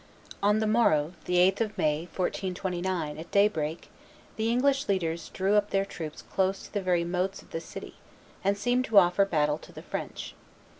On the morrow, the 8th of May, 1429, at daybreak, the English leaders drew up their troops close to the very moats of the city, and seemed to offer battle to the French.